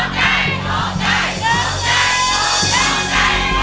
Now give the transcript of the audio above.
ร้อยร้อยร้อยร้อยร้อย